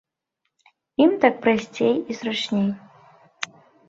Ім так прасцей і зручней.